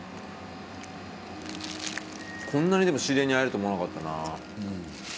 こんなに知り合いに会えると思わなかったな。